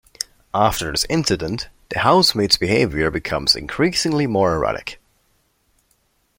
After this incident, the housemaid's behavior becomes increasingly more erratic.